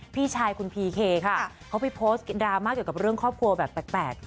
พี่ชายคุณพีเคค่ะเขาไปโพสต์ดราม่าเกี่ยวกับเรื่องครอบครัวแบบแปลก